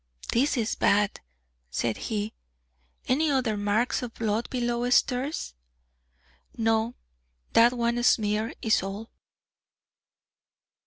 "This is bad," said he. "Any other marks of blood below stairs?" "No; that one smear is all."